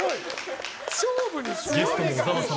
ゲストの小沢様